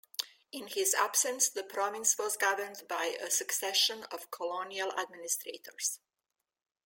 In his absence the province was governed by a succession of colonial administrators.